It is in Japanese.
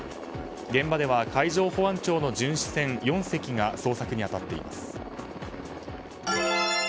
現場では海上保安庁の巡視船４隻が捜索に当たっています。